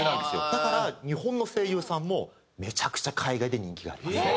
だから日本の声優さんもめちゃくちゃ海外で人気があります。